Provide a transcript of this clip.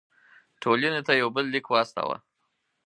ټولنې ته یو بل لیک واستاوه.